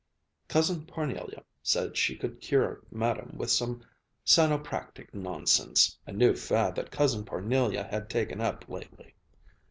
Cousin Parnelia said she could cure Madame with some Sanopractic nonsense, a new fad that Cousin Parnelia had taken up lately.